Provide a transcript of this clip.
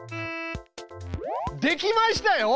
できましたよ！